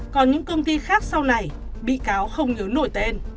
còn những công ty khác sau này bị cáo không yếu nổi tên